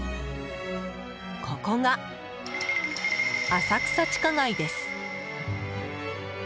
ここが浅草地下街です。